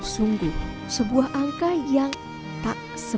sungguh sebuah angka yang tak seberapa